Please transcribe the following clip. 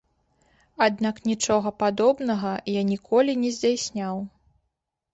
Аднак нічога падобнага я ніколі не здзяйсняў.